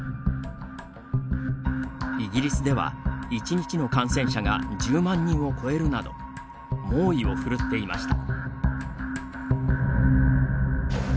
イギリスでは、１日の感染者が１０万人を超えるなど猛威を振るっていました。